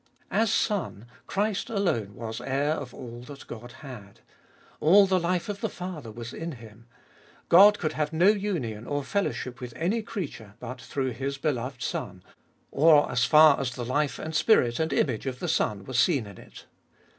As Son, Christ alone was heir of all that God had. All the life of the Father was in Him. God could have no union or fellowship with any creature but through His beloved Son, or as far as the life and spirit and image of the Son was seen in it.